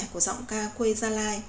của giọng ca quê gia lai